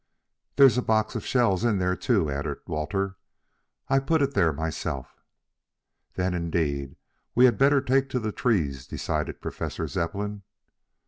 "There's a box of shells in there, too," added Walter. "I put it there myself." "Then, indeed, we had better take to the trees," decided Professor Zepplin.